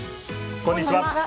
こんにちは。